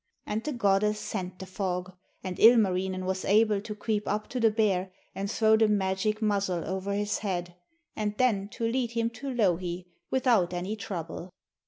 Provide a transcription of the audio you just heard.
And the goddess sent the fog, and Ilmarinen was able to creep up to the bear and throw the magic muzzle over his head, and then to lead him to Louhi without any trouble.